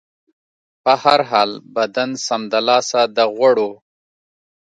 په هر حال، بدن سمدلاسه د غوړو